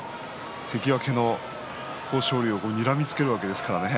関脇の豊昇龍をにらみつけるわけですからね。